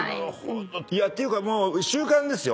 「ていうかもう習慣ですよ？